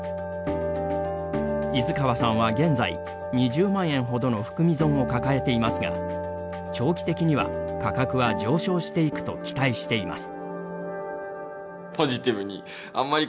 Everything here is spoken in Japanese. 伊豆川さんは、現在２０万円ほどの含み損を抱えていますが長期的には価格は上昇していくと期待しています。